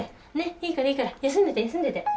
いいからいいから休んでて休んでて。